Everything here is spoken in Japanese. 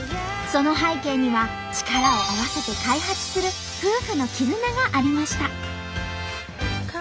その背景には力を合わせて開発する夫婦の絆がありました。